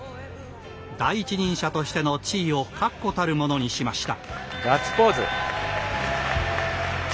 第一人者としての地位を確固たるものにしました。